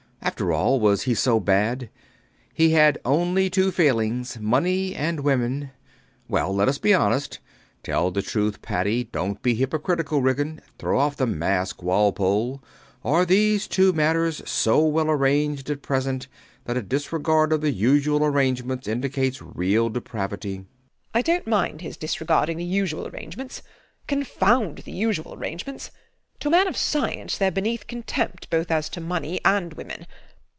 After all, was he so bad? He had only two failings: money and women. Well, let us be honest. Tell the truth, Paddy. Dont be hypocritical, Ridgeon. Throw off the mask, Walpole. Are these two matters so well arranged at present that a disregard of the usual arrangements indicates real depravity? WALPOLE. I dont mind his disregarding the usual arrangements. Confound the usual arrangements! To a man of science theyre beneath contempt both as to money and women.